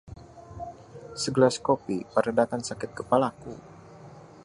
Segelas kopi meredakan sakit kepalaku.